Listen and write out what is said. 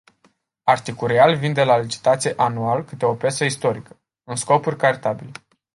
Articurial vinde la licitație anual câte o piesă istorică, în scopuri caritabile.